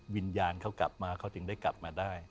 วิญญาณเขากลับมาเขาถึงได้กลับมาได้